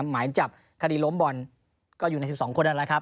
หมายจับคดีล้มบอลก็อยู่ใน๑๒คนนั่นแหละครับ